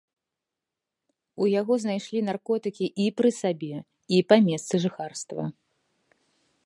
У яго знайшлі наркотыкі і пры сабе, і па месцы жыхарства.